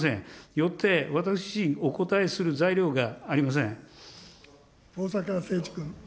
よって、私自身お答えする材料が逢坂誠二君。